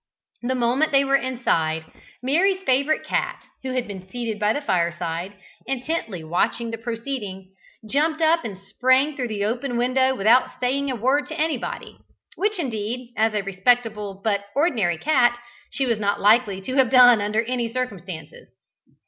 The moment they were inside, Mary's favourite cat, who had been seated by the fireside, intently watching the proceeding, jumped up and sprang through the open window without saying a word to anybody, which indeed, as a respectable but ordinary cat, she was not likely to have done under any circumstances.